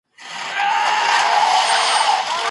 د ښځو ټولنپوهنه د هغوی پر حقونو ږغیږي.